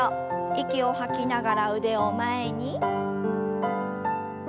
息を吐きながら腕を前に。